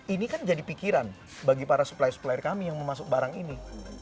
ini kan jadi pikiran bagi para supplier supplier kami yang memasuk barang ini